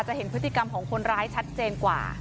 เห็นพฤติกรรมของคนร้ายชัดเจนกว่า